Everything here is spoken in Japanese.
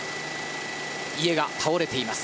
家が倒れています。